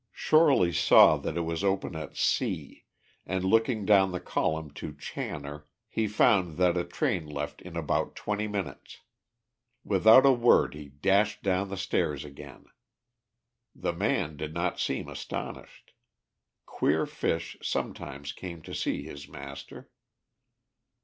Shorely saw it was open at C, and, looking down the column to Channor, he found that a train left in about twenty minutes. Without a word, he dashed down the stairs again. The "man" did not seem astonished. Queer fish sometimes came to see his master.